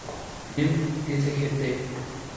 En "Sgt.